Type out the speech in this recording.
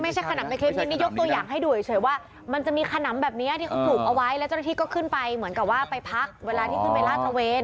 ขนำในคลิปนี้ยกตัวอย่างให้ดูเฉยว่ามันจะมีขนำแบบนี้ที่เขาผูกเอาไว้แล้วเจ้าหน้าที่ก็ขึ้นไปเหมือนกับว่าไปพักเวลาที่ขึ้นไปลาดตระเวน